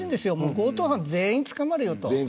強盗犯は全員捕まるよと。